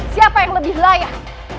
siapa yang lebih layak